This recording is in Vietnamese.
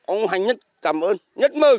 ông hành nhất cảm ơn nhất mừng